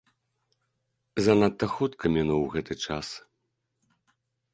Занадта хутка мінуў гэты час.